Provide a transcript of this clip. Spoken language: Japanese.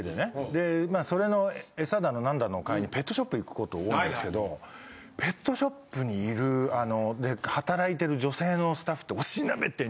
でそれのエサだの何だのを買いにペットショップ行くこと多いんですけどペットショップにいる働いてる女性のスタッフって押しなべて。